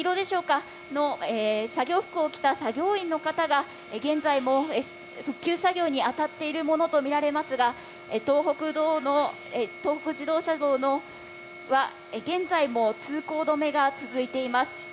その作業服を着た作業員の方が現在も復旧作業にあたっているものとみられますが、東北自動車道は現在も通行止めが続いています。